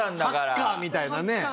ハッカーみたいなね。